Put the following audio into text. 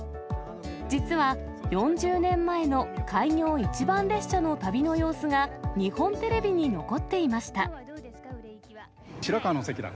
実は、４０年前の開業一番列車の旅の様子が、日本テレビに残っていまし白河の関だ。